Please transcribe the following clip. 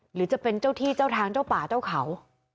หรือจะเป็นเจ้าที่เจ้าทางเจ้าป่าเจ้าเขา